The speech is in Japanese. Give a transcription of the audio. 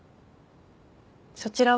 そちらは？